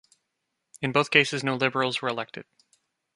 In both cases no Liberals were elected.